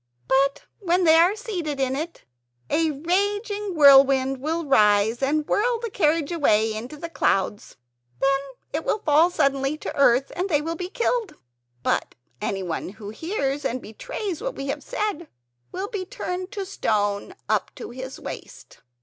But when they are seated in it a raging wind will rise and whirl the carriage away into the clouds. Then it will fall suddenly to earth, and they will be killed. But anyone who hears and betrays what we have said will be turned to stone up to his waist."